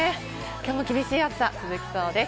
きょうも厳しい暑さが続きそうです。